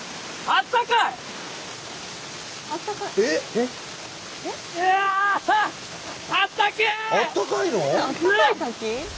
あったかい滝？